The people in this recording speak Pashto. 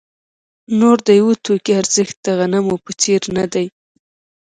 نور د یوه توکي ارزښت د غنمو په څېر نه دی